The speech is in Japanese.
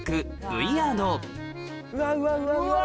うわ。